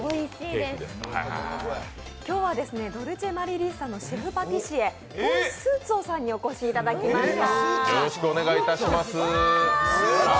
今日はドルチェマリリッサさんのシェフパティシエのポン・スーツオさんにお越しいただきました。